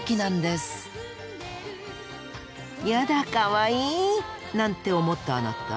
「やだかわいい」なんて思ったあなた。